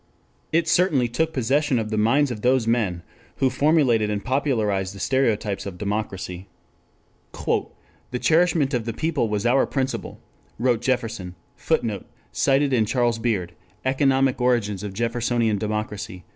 It certainly took possession of the minds of those men who formulated and popularized the stereotypes of democracy. "The cherishment of the people was our principle," wrote Jefferson. [Footnote: Cited in Charles Beard, _Economic Origins of Jeffersonian Democracy.